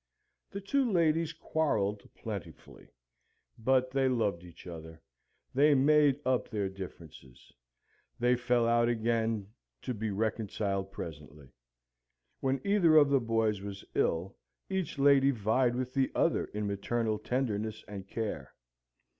The two ladies quarrelled plentifully; but they loved each other: they made up their differences: they fell out again, to be reconciled presently. When either of the boys was ill, each lady vied with the other in maternal tenderness and care.